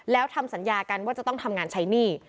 แล้วทำสัญญากันว่าจะต้องทำงานใช้หนี้